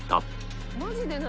「マジで何？